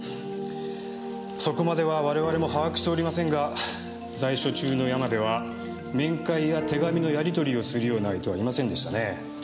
そこまでは我々も把握しておりませんが在所中の山部は面会や手紙のやり取りをするような相手はいませんでしたね。